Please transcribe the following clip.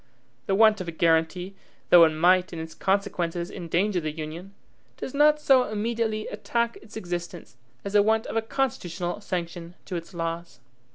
The want of a guaranty, though it might in its consequences endanger the Union, does not so immediately attack its existence as the want of a constitutional sanction to its laws.